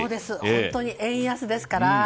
本当に円安ですから。